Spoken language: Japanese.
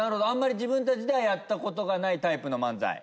あんまり自分たちではやったことがないタイプの漫才。